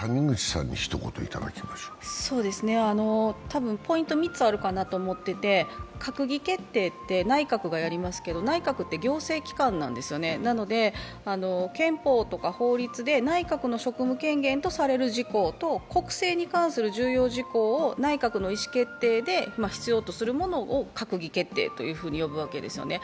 多分ポイント３つあるかなと思っていて閣議決定って内閣がやりますけど、内閣って行政機関なので、憲法とか法律で内閣の職務権限とされる事項と、国政に関する重要事項を内閣の意思決定で必要とするものを閣議決定と呼ぶわけですよね。